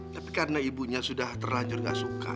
tapi karena ibunya sudah terlanjur gak suka